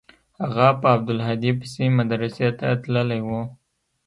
هغه په عبدالهادي پسې مدرسې ته تللى و.